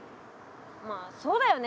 まあそうだよね。